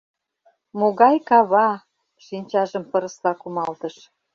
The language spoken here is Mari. «Могай кава!» — шинчажым пырысла кумалтыш.